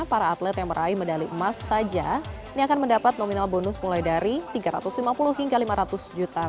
para atlet yang meraih medali emas saja ini akan mendapat nominal bonus mulai dari tiga ratus lima puluh hingga lima ratus juta